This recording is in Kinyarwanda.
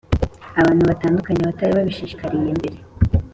abantu batandukanya batari babishishikariye mbere